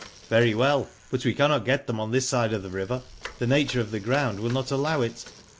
*' Very well, but we cannot get them on this side of the river, the nature of the ground will not allow it.